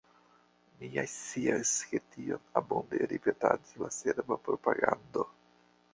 Ni ja scias, ke tion abunde ripetadis la serba propagando.